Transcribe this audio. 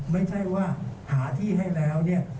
ไม่ใช่ว่าหาที่ให้แล้วเนี่ย